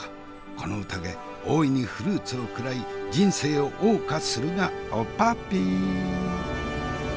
この宴大いにフルーツを食らい人生をおう歌するがオッパッピー。